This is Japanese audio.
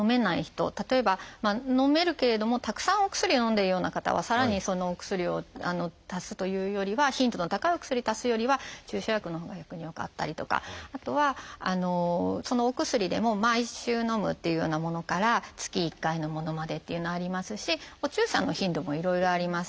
例えばのめるけれどもたくさんお薬をのんでいるような方はさらにお薬を足すというよりは頻度の高いお薬足すよりは注射薬のほうが逆に良かったりとかあとはお薬でも毎週のむっていうようなものから月１回のものまでっていうのありますしお注射の頻度もいろいろあります。